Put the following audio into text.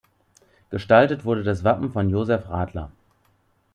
Gestaltet wurde das Wappen von Josef Radler.